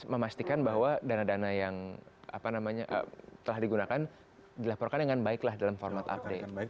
memastikan bahwa dana dana yang telah digunakan dilaporkan dengan baiklah dalam format update